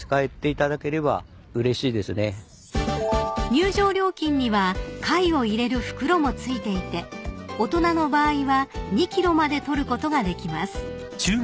［入場料金には貝を入れる袋も付いていて大人の場合は２ｋｇまで採ることができます］